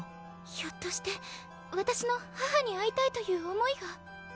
ひょっとして私の母に会いたいという思いが？